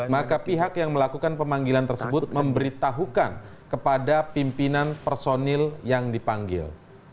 maka pihak yang melakukan pemanggilan tersebut memberitahukan kepada pimpinan personil yang dipanggil